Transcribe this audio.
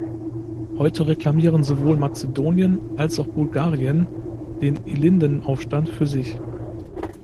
Heute reklamieren sowohl Mazedonien als auch Bulgarien den Ilinden-Aufstand für sich.